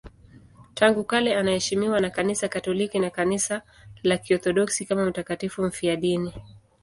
Tangu kale anaheshimiwa na Kanisa Katoliki na Kanisa la Kiorthodoksi kama mtakatifu mfiadini.